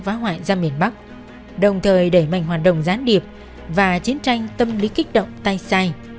phá hoại ra miền bắc đồng thời đẩy mạnh hoạt động gián điệp và chiến tranh tâm lý kích động tay sai